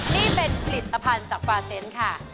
นี่เป็นผลิตภัณฑ์จากฟาเซนต์ค่ะ